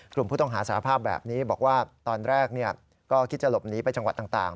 กลุ่มผู้ต้องหาสารภาพแบบนี้บอกว่าตอนแรกก็คิดจะหลบหนีไปจังหวัดต่าง